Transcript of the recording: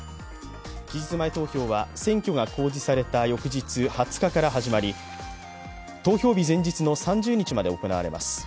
期日前投票は選挙が公示された翌日、２０日から始まり、投票日前日の３０日まで行われます。